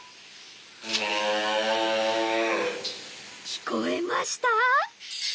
聞こえました？